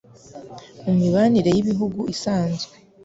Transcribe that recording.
mu mibanire y'ibihugu isanzwe